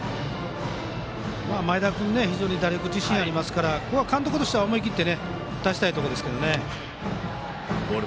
前田君、打力に自信がありますからここは監督としては思い切って打たせたいところですね。